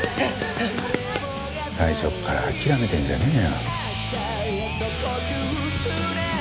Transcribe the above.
最初から諦めてんじゃねえよ。